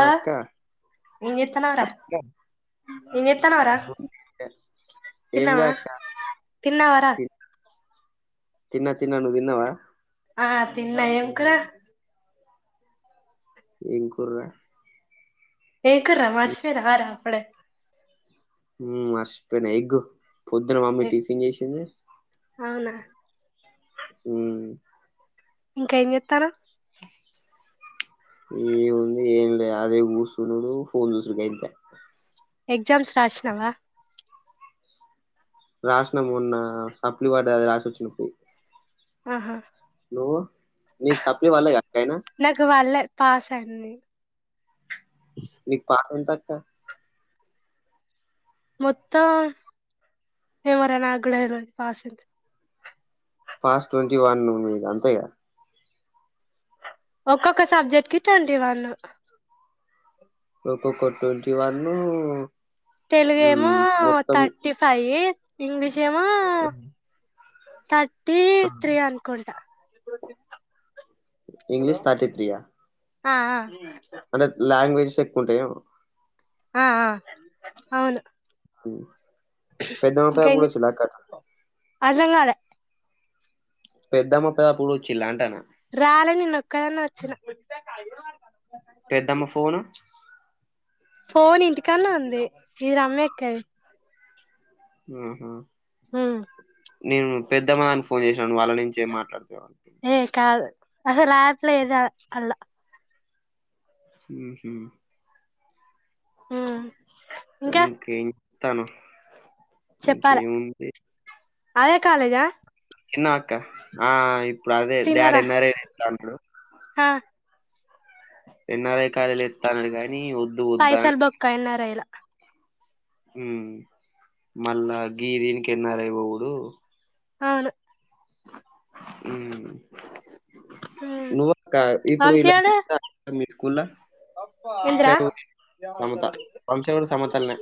ఆ అక్క ఏం జేత్తన్నవ్ రా ఏం జేత్తన్నవ్ రా ఏంలే తిన్నావా అక్క తిన్నావారా? తిన్న తిన్న నువ్వు తిన్నవా? ఆఁ తిన్నా ఏం కూర? ఏం కుర్ర ఏం కూర మర్సిపోయినవా రా అప్పుడే హ్మ్ఁ మర్సిపోయిన ఎగ్గు పొద్దున మమ్మీ టిఫిన్ జేసింది అవునా హ్మ్ఁ ఇంకా ఏం జేత్తన్నవ్ ఏ ఉంది ఏం లే అదే గుసుడు ఫోన్ జుసుడు గంతె ఎగ్జామ్స్ రాశినవా రాశిన మొన్న సప్లి వడ్డది అది రాసోచ్చినపూ ఆహాఁ నువ్వు నీకు సప్లి వడ్లేక్క అయినా నాకు వళ్ళే పాస్ అండి నీకు పాస్ ఎంతక్క మొత్తం ఏమో రా నాకు గూడ తెల్వదు పాస్ ఎంతొ పాస్ టొంటీ వన్ ను మీది అంతేగా ఒక్కొక్క సబ్జెక్ట్కి టొంటి వన్ను ఒక్కొక్కటి ట్వంటీ వన్ను. తెలుగు ఏమో థర్టీ ఫైవ్, ఇంగ్లీష్ ఏమో ఉ థర్టీ త్రీ అనుకుంటా. ఇంగ్లీష్ థటీ త్రీయా? ఆ ఆ అంటే లాంగ్వేజస్ ఎక్కువ ఉంటాయా? ఆ ఆ అవును. పెద్దమ్మ పెదప్పుడు చిన్నాక్కా అర్థం గాలే పెద్దమ్మ పెదప్పుడు వచ్చిలాంటనా? రాలే నేను ఒక్కదాన్నే వచ్చిన. పెద్దమ్మ ఫోను ఫోన్ ఇంటికాన్నే ఉంది ఇది రమ్యా అక్కది. ఆహా! ఉమ్ నేను పెద్దమ్మా అని ఫోన్ చేసాను. వాళ్ళ నుంచే ఏం మాట్లాడతా. ఏ కాదు అహా రావట్లేదు అల్లో మ్ హు ఉమ్ ఇంకా ఇంకేం తను చెప్పాలే ఇంకేముంది అదే కాలేజా తిన్నావా అక్కా ఆ ఆ ఇప్పుడు అదే డాడీ ఎన్నారే కి ఇత్తా అంటుండు. హా ఎన్ఆర్ఐ కలలు కదలిస్తానని కానీ ఉన్ పైసలు బొక్క ఎన్నారైల ఉ మళ్ళా గీ దీనికి ఎన్ఆర్ఐ బోవుడు. అవును మ్ ఉమ్ నువు అక్క ఇప్పుడు ఇలా వంశీగాడు మీ స్కూల్ లో వంశా ఏందిరా డ్యూటీ సమంత. వంశాగ సమంతలనే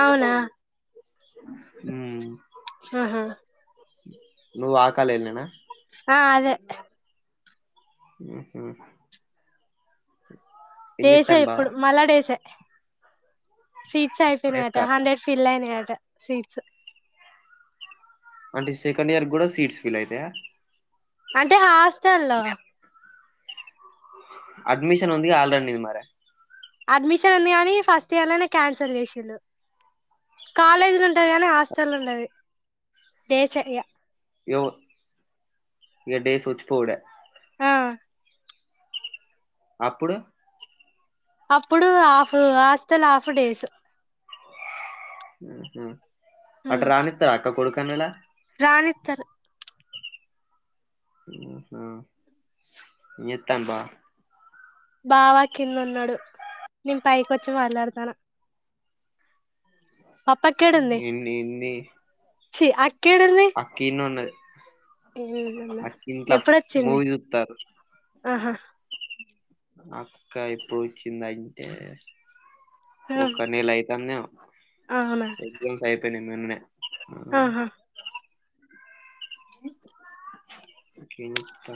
అవునా మ్ ఆహా! నువ్వు ఆ కాలేజీ ఏనా ఆ అదే మ్ హు డేసే చెత్తాను బా ఇప్పుడు మళ్ళా డేసే సీట్స్ అయిపోయినాయి అట డేస్కారా హండ్రెడ్ ఫిల్ అయినాయి అంట సీట్స్. అంటే సెకండ్ ఇయర్ కూడా సీట్స్ ఫిల్ అయితాయా? అంటే హాస్టల్ లో. అడ్మిషన్ ఉందిగా ఆల్రెడీ నీది మరి. అడ్మిషన్ ఉంది కానీ ఫస్ట్ ఇయర్ లోనే క్యాన్సిల్ చేసిండు. కాలేజీలు ఉంటది కాగానీ హాస్టల్ ఉండదు. డేస్ ఇగ ఇగ పో ఇగ డేస్ వచ్చిపోవుడే. ఆ అప్పుడు అప్పుడు హాఫు హాస్టల్ హాఫు డేసు ఉహు అటు ఉమ్ రానితార అక్క కొడుకాను లా రానిత్తరు ఆహా మీ యతన్ బా బావ కింద ఉన్నాడు నేను పైకొచ్చి మాట్లాడతాన పప్పక్క ఏడుంది ఎన్ని చీ అక్ అక్కీ ఈడ్నే ఉన్నది అక్కింట్లో ఫ్ ఎప్పుడొచ్చింది మూవీ చూతారు ఆహా అక్క ఇప్పుడు కింద ఐతే ఒక్క నెల అయితాందేమో అవునా ఎగ్జామ్స్ అయిపోయినాయి మొన్ననే ఆ ఆహా ఇంకేం ఇత్త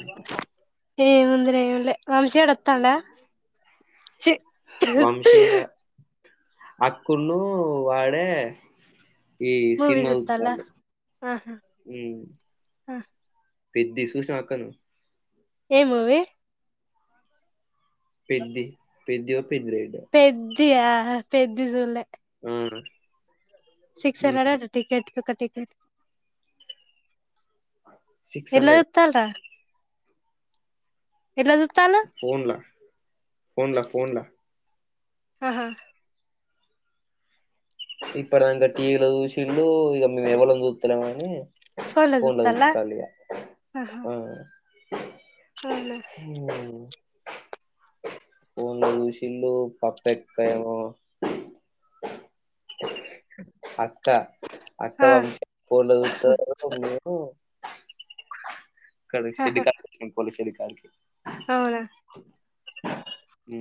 ఏముంది రే ఏమీలే వంశీ గాడు వత్తాండ ఛీ వంశీనా అఖులు వాడే ఈ మూవీ సినిమా చూత్తాల్ల జూత్తాళ్లు ఆహా ఊ పెద్ది చూసినావా అక్క నువ్ ఏ మూవి పెద్ది పెద్దో పెద్దిరెడ్డో పెద్దియా పెద్ది చూడలే ఆ సిక్స్ హండ్రెడ్ ఉమ్ అట టికెట్ ఒక టికెట్ సిక్స్ ఎట్లా హండ్రెడ్ చూత్తాల్ రా ఎట్లా జూస్తాలు ఫోన్లా ఫోన్లా ఫోన్లా ఆహా ఇప్పటిదాంక టీవీ లో చూసిల్లు ఇక మేము ఎవలం చూస్తలేము అని ఫోన్ లో ఫోన్ల చూస్తాలా చూత్తాళ్ ఇగ ఆ అవ్ లే ఊ ఫోన్ల చూసిల్లు పప్పక్కయ్యేమో అక్క అక్క ఆ పంప్ ఫోన్ లో చూస్తది మేము ఇక్కడ షెడ్ ఆహా కాడికి పోయినాం పోలీస్ షెడ్ కాడికి అవునా ఊ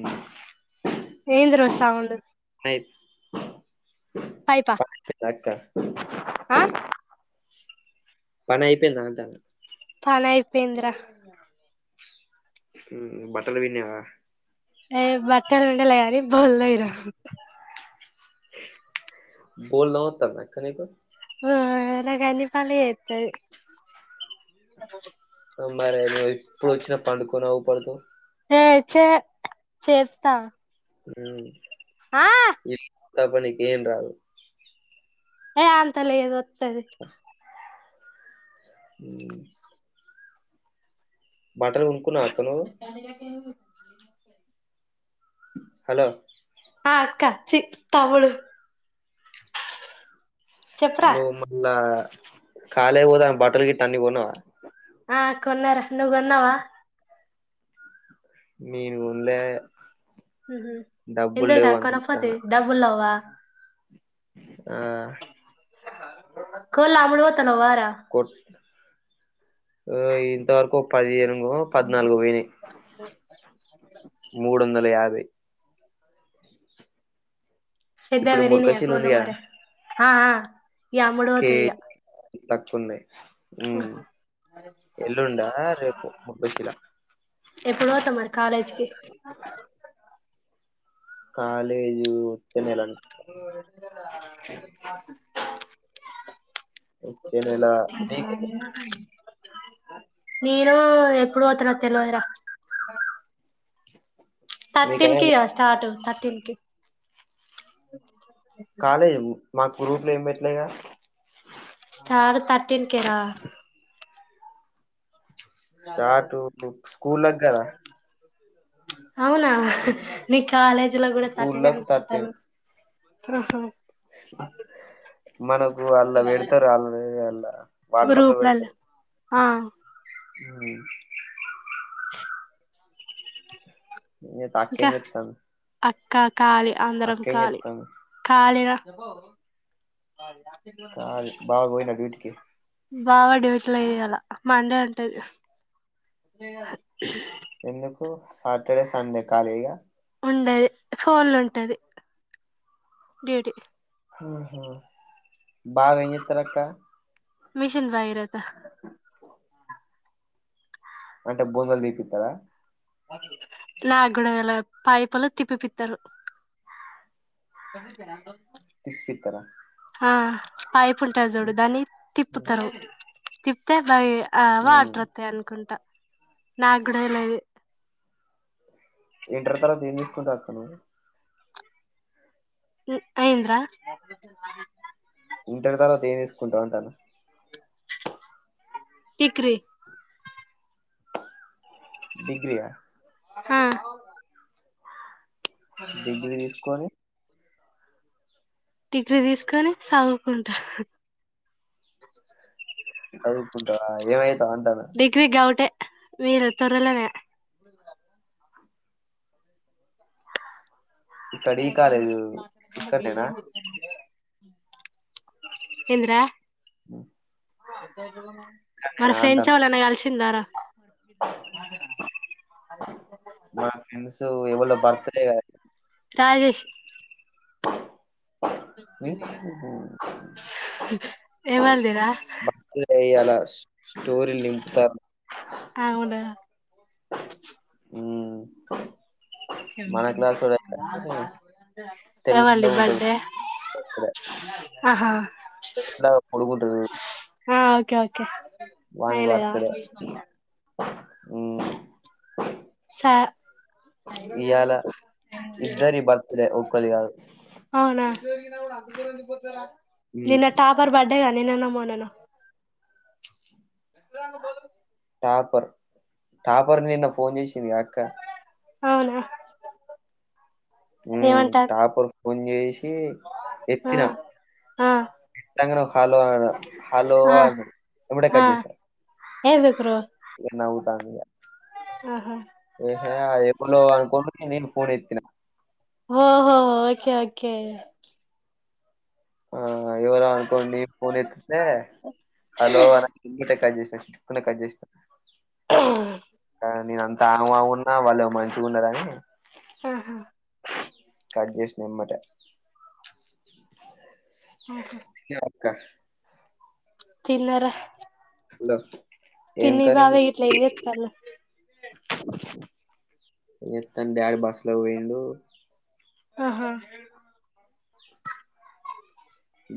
ఏందిరో సౌండ్ [inaudible] పైపా [unintelligible] అక్క ఆ పని అయిపోయింద అంటానా పని అయిపోయింది రా ఊ బట్టలు పిండినవా ఏ బట్టలు విండలే గానీ బొల్లేయ్ రా గోళ్లు దోమతాందా అక్క నీకు ఆ అయినా గాని అన్ని పనులు చేస్తది కొందా రై ఏప్పుడు వచ్చిన పండుకోని అవు పడుతవ్ ఏ చే చేత్త ఉమ్ ఆ ఇంట్ల పనికి ఏం రాదు ఏ అంతలేదు వత్తది ఉమ్ బట్టలు కొనుక్కున్నావా అక్క నువ్వు పండగకి ఏంది హలో ఆ అక్క చీ తమ్ముడు చెప్పురా నువ్వు మల్లా కాలేజ్ పోదామని బట్టలు గిట్ట అన్ని కొన్నవా ఆ కొన్నార నువ్ కొన్నవా నేను గోన్లే ఉహు డబ్బులు లేవని చూస్తానా అవ్వ ఆ కోళ్లు అమ్ముడు పోతనవ్వారా ఓ ఇంతవరకు పదిహేను ఓ పద్నాలుగు పోయినయి మూడు వందల యాభై పెద్దగా ఇప్పుడు పెరిగినయ మురకశీల ఉంది కదా కోళ్లుమరే ఆ ఆ ఇగ అమ్ముడు పోతాయ్ ఇగ కేజీ తక్కువ ఉన్నాయి ఉమ్ ఎల్లుండ రేపొ ముల్కాశిలా ఎప్పుడు పోతావ్ మరి కాలేజ్ కి కాలేజ్ ఒక్క నెల అనుకుంటా ఎ ఎంత బాగా వచ్చే నెల నీకే పోతుండు నేను ఎప్పుడు పోతనో తెలువదు రా థర్టీన్ మీకైనా కీ ఇగ స్టార్ట్ థర్టీన్ కి కాలేజ్ ఉంద్ మాకు గ్రూపులో ఏం పెట్టలేదుగా స్టార్ తర్టీన్ కే రా స్టార్ట్ స్కూళ్ళక్ కదా అవునా నీ కాలేజీలకు కూడ థర్టీన్ ఏ స్కూల్లకు అనుకుంటా థర్టీన్ నా ఆహ మనకు అల్లా పెడతారు అల అలా వాట్సాప్ లో గ్రూప్లల్ల పెడతారు ఆ ఉమ్ నీతో అక్క ఏం ఇంకా చెప్తాంది అక్క కాళీ అందరం అక్క ఏం కాళీ చెప్తాంది కాళీ రా కాదు మా అక్కకి కాళీ బావ పోయినాడా డ్యూటీ కి బావ డ్యూటీ లేదు ఇయ్యాల మండే ఉంటది. ఎందుకు సాటర్డే సండే ఖాళీగా ఉండదు ఫోన్లో ఉంటది డ్యూటీ ఆ హు బావ ఏం చేస్తాడు అక్క మిషన్ భగీరథ అంటే బుందలు తీపిత్తాడ నాగుడా తెల్వద్ పైపులు తిప్పిపిత్తరు ప తిప్పిపిత్తరా ఆ పైపు ఉంటాది చూడు దాన్ని తిప్పుతారు తిప్పతే బయి ఆ ఉమ్. వాటర్ వతాయనుకుంటా నాకు కూడా తెల్వది ఇంటర్ తర్వాత ఏం తీసుకుంటావక్క నువ్వు ఉ ఏందిరా ఇంటర్ తర్వాత ఏం తీసుకుంటావు అంటాన డిగ్రీ డిగ్రి ఆ హా డిగ్రీ తీసుకొని డిగ్రీ తీసుకొని చదువుకుంటా చదువుకుంటావ ఏమయితావ్ అంటాన డిగ్రీ డౌటే మీరు తొరలోనే ఇక్కడ ఈ కాలేజ్ ఇక్కడ నేనా ఏందిరా ఉ మరి ఫ్రెండ్స్ ఎవరైనా కలిసింరా రా మా ఫ్రెండ్స్ ఎవళ్ళో బర్త్డే రాజేష్ ఎవరిది రా బర్త్డే ఇయాల స్టోరీలు నింపుతారు అవుడా ఉమ్ ఎవలది తెల్లగా ఉంటాడు బర్త్డే ఆహా తెల్లగా పొడుగుంటాడు ఆ ఓకే ఓకే వాని అయినద బర్త్డే మ్మ్ స ఇయాళ ఇద్దరి బర్త్డే ఒక్కళది కాదు అవునా మ్మ్ నిన్న టాపర్ బడ్ డే గా నిన్ననో మొన్ననో టాపర్ టాపర్ నిన్న ఫోన్ చేసింది గా అక్క అవునా ఉమ్ ఏమంటారు టాపర్ ఫోన్ చేసి ఆ ఎత్తిన ఆ ఎత్తంగానే హలో అని హలో ఆ అంది అప్పుడే కట్ చేసిన ఎందుకురో నవుతాంది ఇగ ఆహా ఏహే అ ఏవుల్లో అనుకోని నేను ఫోన్ ఎత్తిన ఓహో ఓకే ఓకే ఆ ఎవరొ అనుకొని నేన్ ఫోన్ ఎత్తితే హలో ఎంబటే కట్ చేసినా చిటుకున కట్ చేసిన కా నేను అంత ఆగం ఆగం ఉన్నా వాళ్ళేమో మంచిగున్నారని హ్మ్ కట్ చేసిన ఎమ్మటే తిన్నర హలో ఏం కర్రి బాబాయ్ గిట్ల ఏం వండిండ్రు చేత్తాళ్ళు ఏంచేత డాడీ బస్ల పోయిండు ఆహా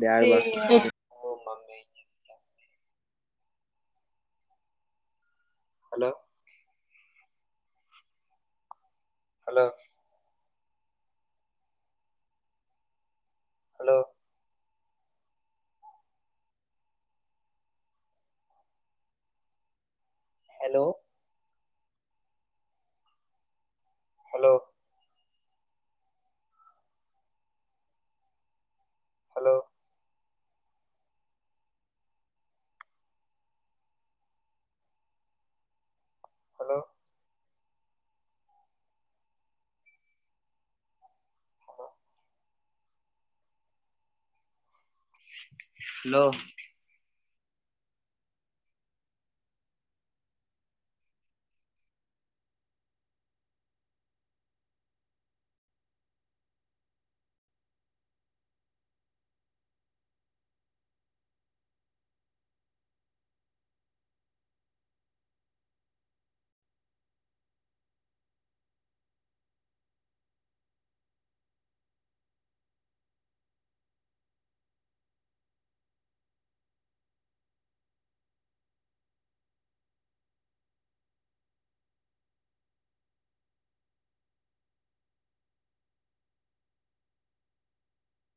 డాడీ బస్సులొ పోయిండు mummy hello hello hello hello hello hello hello hello